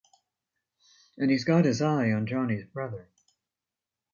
And he's got his eye on Johnny's brother.